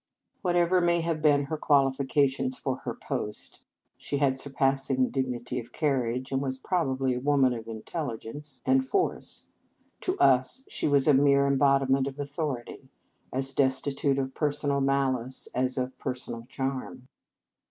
Whatever may have been her quali fications for her post (she had sur passing dignity of carriage, and was probably a woman of intelligence and 192 Reverend Mother s Feast force), to us she was a mere embodi ment of authority, as destitute of per sonal malice as of personal charm.